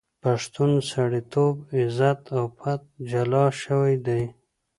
پښتون سړیتوب، عزت او پت جلا شوی دی.